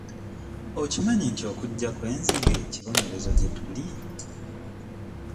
Okimanyi nti okujja kw'enzige kibonerezo gye tuli?